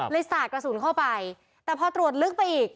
สาดกระสุนเข้าไปแต่พอตรวจลึกไปอีก